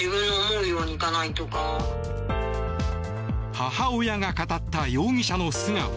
母親が語った容疑者の素顔。